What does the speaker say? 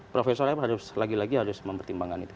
prof arief lagi lagi harus mempertimbangkan itu